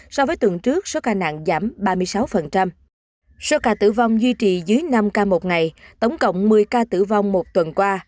sau ca tử vong duy trì dưới năm ca một ngày tổng cộng một mươi ca tử vong một tuần qua